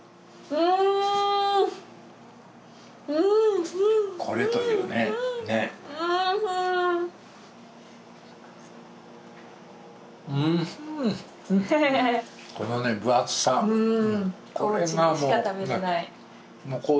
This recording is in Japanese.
うん高知でしか食べれない。